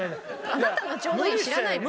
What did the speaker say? あなたの「ちょうどいい」知らないのよ。